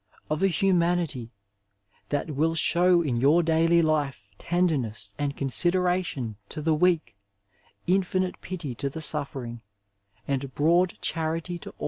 Of a humanity, that will show in your daily life tenderness and consideiation to the weak, infinite pity to the suffering, and broad charily to aH.